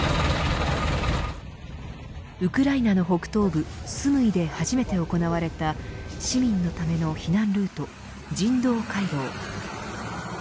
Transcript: ウクライナの北東部スムイで初めて行われた市民のための避難ルート人道回廊。